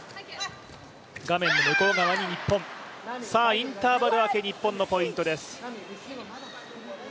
インターバル明け日本のポイントです。